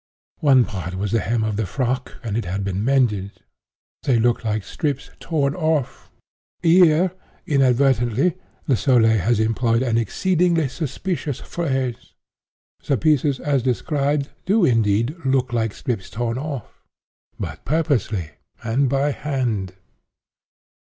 One part was the hem of the frock and it had been mended. They looked like strips torn off.' Here, inadvertently, Le Soleil has employed an exceedingly suspicious phrase. The pieces, as described, do indeed 'look like strips torn off;' but purposely and by hand.